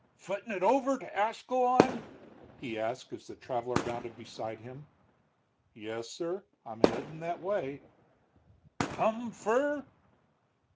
"Footin' it over to Ascalon?" he asked, as the traveler mounted beside him. "Yes sir, I'm headin' that way." "Come fur?"